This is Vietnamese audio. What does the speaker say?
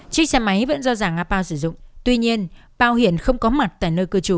chích xe máy vẫn do giảng apao sử dụng tuy nhiên apao hiện không có mặt tại nơi cư trú